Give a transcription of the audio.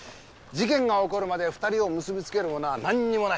事件が起こるまで２人を結びつけるものはなんにもない。